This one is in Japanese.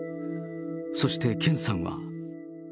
そして健さんは。